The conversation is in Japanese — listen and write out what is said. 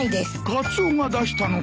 カツオが出したのか？